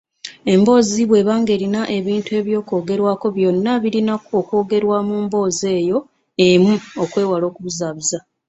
Emboozi bweba ng'erina ebintu eby’okwogerako byonna birina okwogerwa mu mboozi eyo emu okwewala okubuzaabuza.